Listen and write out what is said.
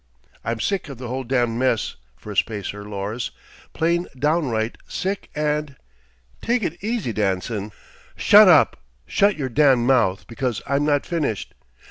"I'm sick of the whole damned mess, Firstspacer Lors, plain downright sick and..." "Take it easy, Danson." "Shut up! Shut your damned mouth because I'm not finished!